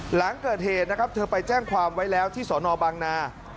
หลังเกิดเหตุนะครับเธอไปแจ้งความไว้แล้วที่สนบางนา